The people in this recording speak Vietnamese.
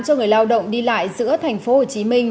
cho người lao động đi lại giữa thành phố hồ chí minh